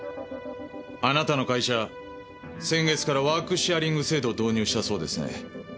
あなたの会社先月からワークシェアリング制度を導入したそうですね。